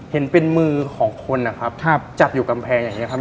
เห็นเป็นมือของคนนะครับจับอยู่กำแพงอย่างนี้ครับ